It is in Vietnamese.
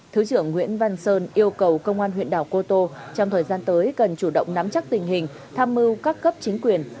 thứ trưởng nguyễn văn sơn yêu cầu công an huyện đảo cô tô trong thời gian tới cần chủ động nắm chắc tình hình tham mưu các cấp chính quyền